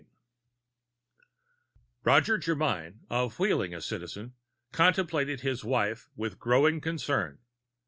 IX Roget Germyn, of Wheeling a Citizen, contemplated his wife with growing concern.